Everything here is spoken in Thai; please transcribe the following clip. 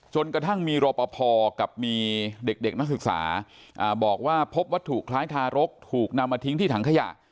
จนกระทั่งมีรอปภกับมีเด็กนักศึกษาบอกว่าพบวัตถุคล้ายทารกถูกนำมาทิ้งที่ถังขยะ